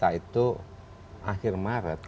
kita itu akhir maret